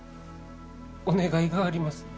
お願いがあります。